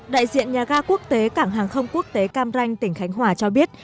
đại diện nhà ga quốc tế cảng hàng không quốc tế cam ranh tỉnh khánh hòa cho biết